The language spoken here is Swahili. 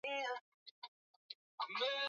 Siwezi kulinganisha vitu hivi